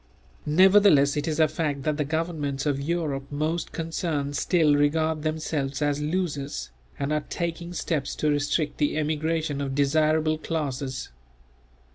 Nevertheless it is a fact that the governments of Europe most concerned still regard themselves as losers, and are taking steps to restrict the emigration of desirable classes.